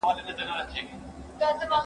موږ به په راتلونکي کې نوي څېړنې وکړو.